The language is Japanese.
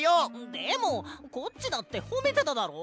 でもコッチだってほめてただろ！